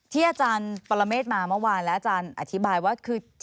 อาจารย์ปรเมฆมาเมื่อวานและอาจารย์อธิบายว่าคือ